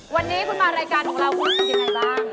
วันนี้คุณมารายการของเราคุณเป็นยังไงบ้าง